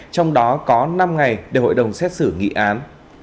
trong đó có năm ngày để hội đồng xét xử nghị án